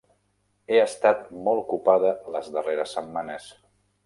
He estat molt ocupada les darreres setmanes.